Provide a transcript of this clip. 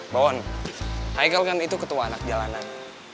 bawon haikal kan itu ketua anak jalanan